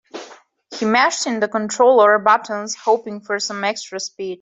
He mashed in the controller buttons, hoping for some extra speed.